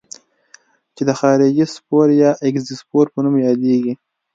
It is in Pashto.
چې د خارجي سپور یا اګزوسپور په نوم یادیږي.